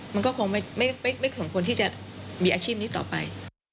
มันก็คงไม่สมควรที่จะมีอาชีพนี้ต่อไป